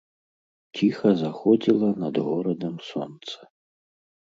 Ціха заходзіла над горадам сонца.